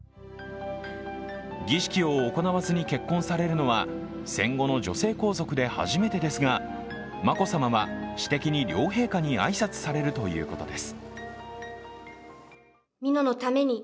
儀式を行わずに結婚されるのは戦後の女性皇族で初めてですが、眞子さまは、私的に両陛下に挨拶されるということです。